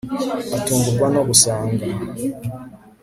atungurwa no gusanga……… …………